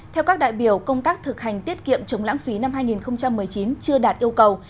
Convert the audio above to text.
theo các đại biểu công tác thực hành tiết kiệm chống lãng phí năm hai nghìn một mươi chín chưa đạt yêu cầu